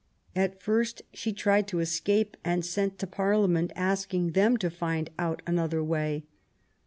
At first she tried to escape, and sent to Parliament asking them to find out another way.